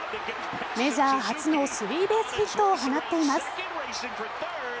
メジャー初のスリーベースヒットを放っています。